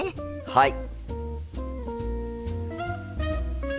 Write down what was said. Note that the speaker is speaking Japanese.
はい！